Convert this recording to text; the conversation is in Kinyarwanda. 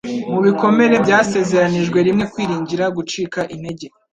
Mu bikomere byasezeranijwe rimwe kwiringira - gucika intege?